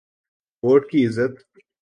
Vote کی عزت۔